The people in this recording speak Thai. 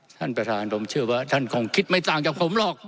ท่านประธานผมเชื่อว่าท่านคงคิดไม่ต่างจากผมหรอก